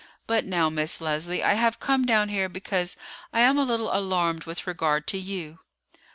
But now, Miss Leslie, I have come down here because I am a little alarmed with regard to you."